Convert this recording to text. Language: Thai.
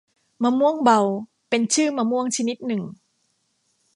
มะม่วงเบา เป็นชื่อมะม่วงชนิดหนึ่ง